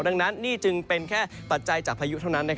ดังนั้นนี่จึงเป็นแค่ปัจจัยจากพายุเท่านั้น